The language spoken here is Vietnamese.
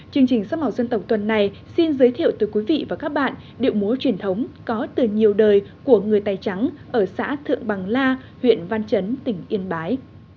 chương trình sắc màu dân tộc tuần này xin giới thiệu tới quý vị và các bạn điệu múa truyền thống có từ nhiều đời của người tài trắng ở xã thượng bằng la huyện văn chấn tỉnh yên bái